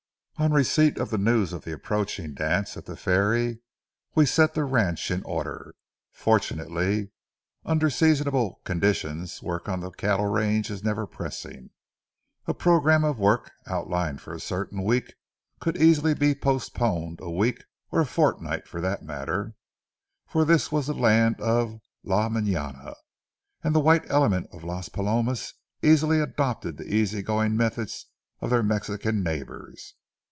On receipt of the news of the approaching dance at the ferry, we set the ranch in order. Fortunately, under seasonable conditions work on a cattle range is never pressing. A programme of work outlined for a certain week could easily be postponed a week or a fortnight for that matter; for this was the land of "la mañana," and the white element on Las Palomas easily adopted the easy going methods of their Mexican neighbors.